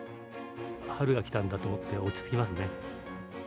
春が来たのかと思って、落ち着きますね。